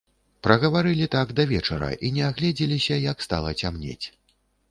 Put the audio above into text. Прагаварылі так да вечара і не агледзеліся, як стала цямнець.